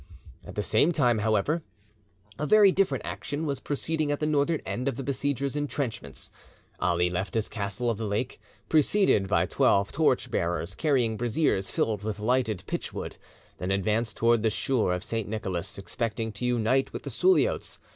At the same time, however, a very different action was proceeding at the northern end of the besiegers' intrenchments. Ali left his castle of the lake, preceded by twelve torch bearers carrying braziers filled with lighted pitch wood, and advanced towards the shore of Saint Nicolas, expecting to unite with the Suliots.